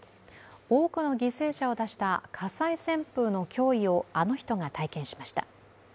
多くの犠牲者をだした火災旋風の脅威をあの人が体験しました。